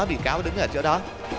vị cáo đứng ở chỗ đó